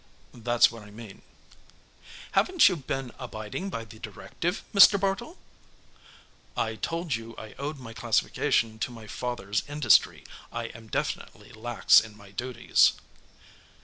"That's what I mean." "Haven't you been abiding by the directive, Mr. Bartle?" "I told you I owed my classification to my father's industry. I am definitely lax in my duties."